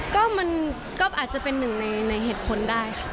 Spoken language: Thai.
ก็มันก็อาจจะเป็นหนึ่งในเหตุผลได้ค่ะ